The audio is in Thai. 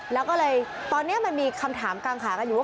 แล้วก็เลยตอนนี้มันมีคำถามกางขากันอยู่ว่า